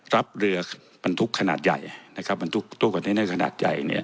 รับเรือปันทุกขนาดใหญ่นะครับปันทุกตัวกับนี้ในขนาดใหญ่เนี้ย